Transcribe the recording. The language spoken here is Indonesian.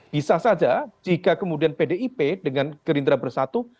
bisa saja jika kemudian pdip dengan gerindra bersatu